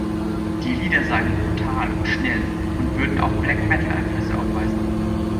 Die Lieder seien brutal und schnell und würden auch Black-Metal-Einflüsse aufweisen.